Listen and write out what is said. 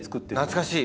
懐かしい！